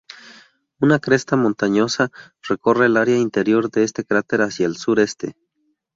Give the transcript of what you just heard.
Una cresta montañosa recorre el área interior de este cráter hacia el sur-este.